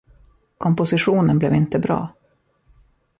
Kompositionen blev inte bra.